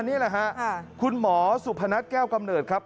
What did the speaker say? นี่แหละฮะคุณหมอสุพนัทแก้วกำเนิดครับ